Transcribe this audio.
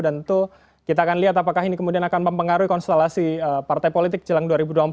dan tentu kita akan lihat apakah ini kemudian akan mempengaruhi konstelasi partai politik jelang dua ribu dua puluh empat